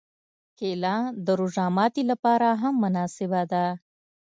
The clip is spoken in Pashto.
کېله د روژه ماتي لپاره هم مناسبه ده.